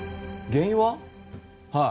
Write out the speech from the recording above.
原因は？